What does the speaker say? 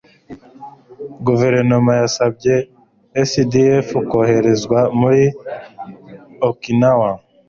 guverinoma yasabye sdf koherezwa muri okinawa